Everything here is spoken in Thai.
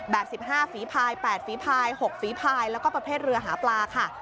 แบบ๑๕ฟพาย๘ฟพาย๖ฟพายแล้วก็ประเภทเรือหาปลาค่ะ